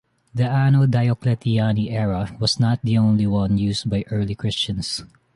The anno Diocletiani era was not the only one used by early Christians.